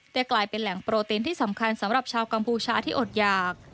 กลายเป็นแหล่งโปรตีนที่สำคัญสำหรับชาวกัมพูชาที่อดหยาก